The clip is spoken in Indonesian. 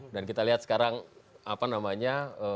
dan kita lihat sekarang apa namanya